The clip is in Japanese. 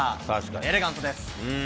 エレガントです。